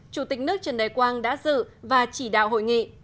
chủ tịch nước trần đại quang đã dự và chỉ đạo hội nghị